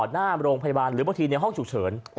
หน้าโรงพยาบาลหรือบางทีในห้องฉุกเฉิน